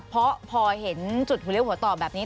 เพราะพอเห็นจุดหัวเลี้ยหัวต่อแบบนี้